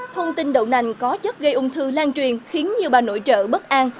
thông tin đậu nành có chất gây ung thư lan truyền khiến nhiều bà nội trợ bất an